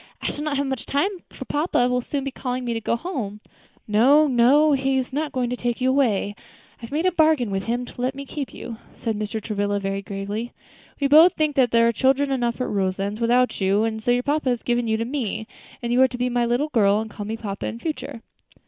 "I shall not have much time, for papa will soon be calling me to go home." "No, no, he is not to take you away; I have made a bargain with him to let me keep you," said Mr. Travilla, very gravely. "We both think that there are children enough at Roselands without you; and so your papa has given you to me; and you are to be my little girl, and call me papa in future."